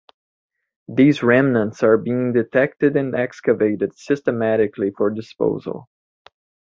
These remnants are being detected and excavated systematically for disposal.